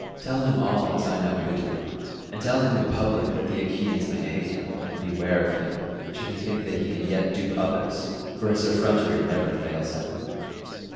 Tell him all as I now bid you, and tell him in public that the Achaeans may hate him and beware of him should he think that he can yet dupe others for his effrontery never fails him.